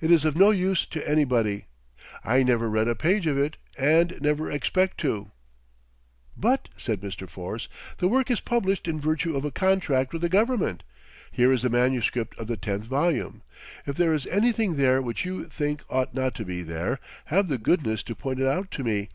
"It is of no use to anybody. I never read a page of it, and never expect to." "But," said Mr. Force, "the work is published in virtue of a contract with the government. Here is the manuscript of the tenth volume. If there is anything there which you think ought not to be there, have the goodness to point it out to me."